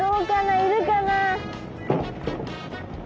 いるかな？